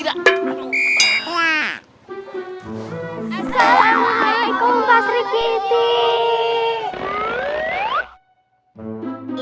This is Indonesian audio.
assalamualaikum pastri kitty